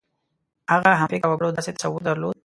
هغه همفکره وګړو داسې تصور درلود.